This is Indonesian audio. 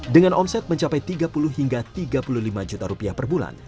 dengan omset mencapai tiga puluh hingga tiga puluh lima juta rupiah per bulan